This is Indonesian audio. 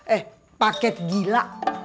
eh paket gila